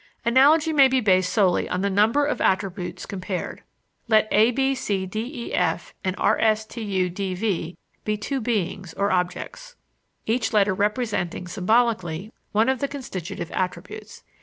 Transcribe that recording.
Analogy may be based solely on the number of attributes compared. Let a b c d e f and r s t u d v be two beings or objects, each letter representing symbolically one of the constitutive attributes.